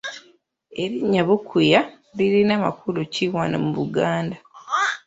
Erinnya Bukuya lirina makulu ki wano mu Buganda?